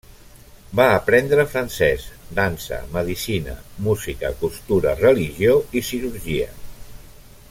Va aprendre francès, dansa, medicina, música, costura, religió i cirurgia.